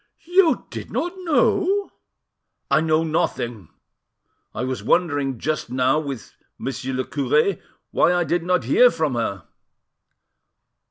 "You did not know?" "I know nothing. I was wondering just now with Monsieur le cure why I did not hear from her."